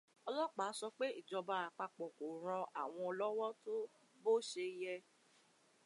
Ọ̀lọ́pàá sọ pé ìjọba àpapọ̀ kò ran àwọn lọ́wọ́ tó bó ṣe yẹ